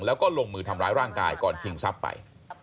แล้วก็ลงมือทำร้ายร่างกายก่อนชิงทรัพย์ไป